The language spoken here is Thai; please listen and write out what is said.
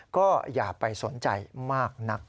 ก็อย่าไปสนใจมากนัก